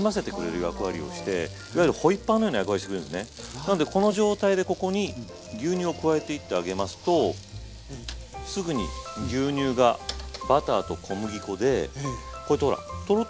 なんでこの状態でここに牛乳を加えていってあげますとすぐに牛乳がバターと小麦粉でこうやってほらトロッとした状態になります。